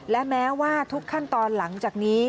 และแม้ว่าทุกขั้นตอนหลังจากนี้